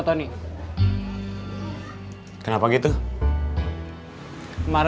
kitailikan sarang ke tuan